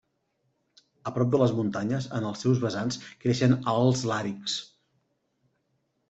A prop de les muntanyes, en els seus vessants creixen alts làrixs.